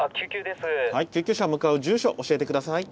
はい救急車向かう住所教えて下さい。